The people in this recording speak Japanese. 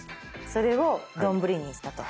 それを丼にしたと。